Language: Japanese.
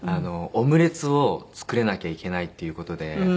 オムレツを作れなきゃいけないっていう事で。